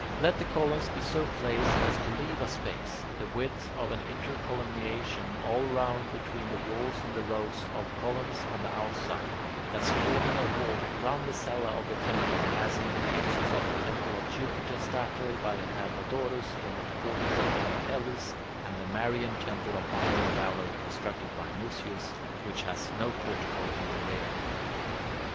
Let the columns be so placed as to leave a space, the width of an intercolumniation, all round between the walls and the rows of columns on the outside, thus forming a walk round the cella of the temple, as in the cases of the temple of Jupiter Stator by Hermodorus in the Portico of Metellus, and the Marian temple of Honour and Valour constructed by Mucius, which has no portico in the rear.